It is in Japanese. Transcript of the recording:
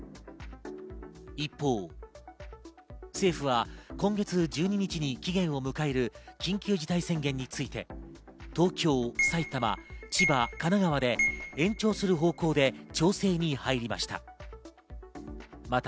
一方、政府は今月１２日に期限を迎える緊急事態宣言について、東京、埼玉、千葉、神奈川で延長する方向で調整に入りました。